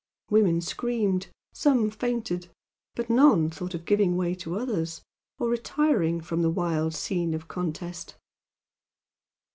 Women screamed, some fainted but none thought of giving way to others, or retiring from the wild scene of contest.